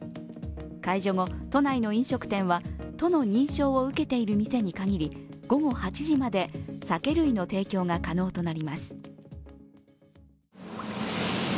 解除後、都内の飲食店は都の認証を受けている店に限り午後８時まで酒類の提供が可能となります。